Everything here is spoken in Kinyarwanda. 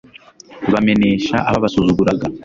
bamenesha ababasuzuguraga